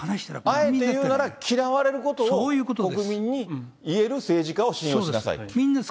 あえて言うなら、嫌われることを国民に言える政治家を信用しそうです。